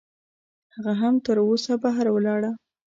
هغه هم تراوسه بهر ولاړه ده.